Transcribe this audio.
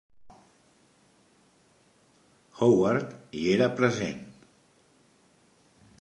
Howard hi era present.